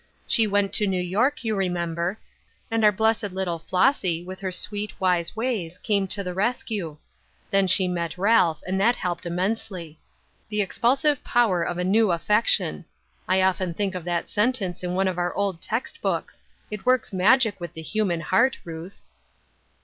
She went to New York, you remember, and our blessed little Flossy, with her sweet, wise ways, came to the rescue. Then she met Ralph, and that helped immensely. ' The expulsive power of a new affection.' I often think of that sentence in one of our old text books. It works magic with the human heart, Ruth."